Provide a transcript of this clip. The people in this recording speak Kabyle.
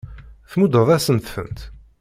Tmuddeḍ-asent-tent.